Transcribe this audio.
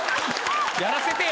やらせてよ。